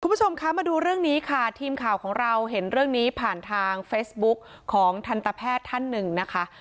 คุณผู้ชมคะมาดูเรื่องนี้ค่ะทีมข่าวของเราเห็นเรื่องนี้ผ่านทางเฟซบุ๊กของทันตแพทย์ท่านหนึ่งนะคะ